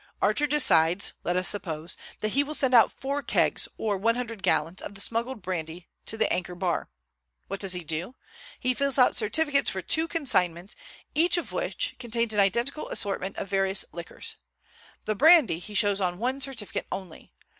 Archer decides, let us suppose, that he will send out four kegs, or one hundred gallons, of the smuggled brandy to the Anchor Bar. What does he do? He fills out certificates for two consignments each of which contains an identical assortment of various liquors. The brandy he shows on one certificate only.